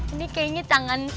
ini kayaknya tangan tangan